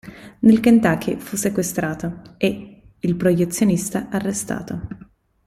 Nel Kentucky fu sequestrato, e il proiezionista arrestato.